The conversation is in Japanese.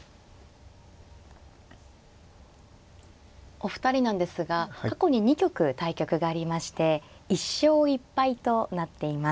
お二人なんですが過去に２局対局がありまして１勝１敗となっています。